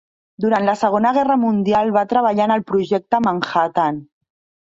Durant la Segona Guerra Mundial va treballar en el Projecte Manhattan.